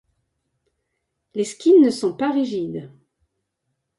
Les skins ne sont pas rigides.